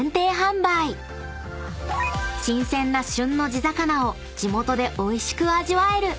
［新鮮な旬の地魚を地元でおいしく味わえる］